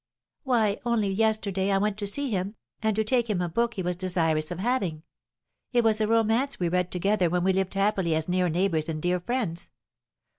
"Why, only yesterday I went to see him, and to take him a book he was desirous of having; it was a romance we read together when we lived happily as near neighbours and dear friends.